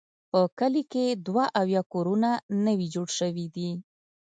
په کلي کې دوه اویا کورونه نوي جوړ شوي دي.